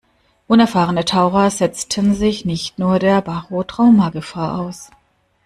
Unerfahrene Taucher setzten sich nicht nur der Barotrauma-Gefahr aus.